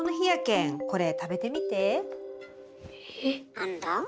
何だ？